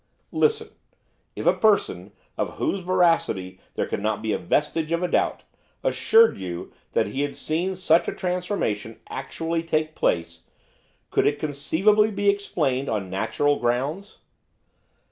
'Listen. If a person, of whose veracity there could not be a vestige of a doubt, assured you that he had seen such a transformation actually take place, could it conceivably be explained on natural grounds?